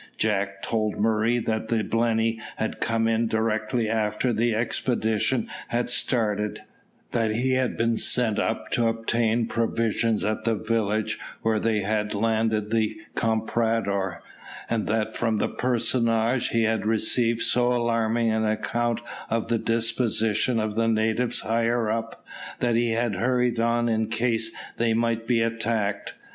Jack told Murray that the Blenny had come in directly after the expedition had started that he had been sent up to obtain provisions at the village where they had landed the comprador, and that from that personage he had received so alarming an account of the disposition of the natives higher up, that he had hurried on in case they might be attacked.